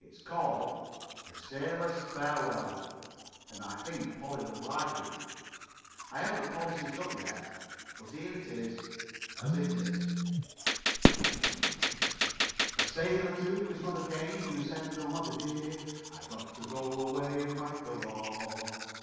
It's called "The Sailor's Farewell," and I think Polly will like it. I haven't polished it up yet, but here it is as it is: A sailor to his mother came and said, "Oh, mother dear, I got to go away and fight the war.